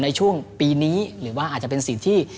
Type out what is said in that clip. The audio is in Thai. ในช่วงปีนี้หรือว่าอาจจะเป็นสิ่งที่